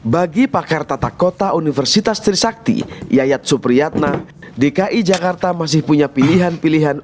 bagi pakar tata kota universitas trisakti yayat supriyatna dki jakarta masih punya pilihan pilihan